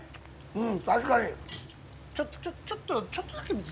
うん。